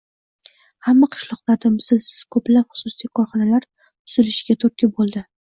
hamda qishloqlarda mislsiz ko‘plab xususiy korxonalar tuzilishiga turtki bo‘ldi.